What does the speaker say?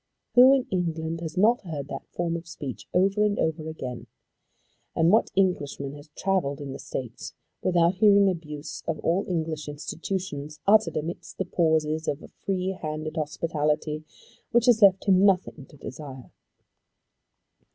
Who in England has not heard that form of speech, over and over again? And what Englishman has travelled in the States without hearing abuse of all English institutions uttered amidst the pauses of a free handed hospitality which has left him nothing to desire?